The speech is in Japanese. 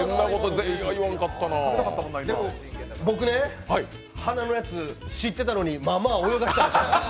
僕ね、鼻のやつ知ってたのにまあまあ泳がせてたでしょ。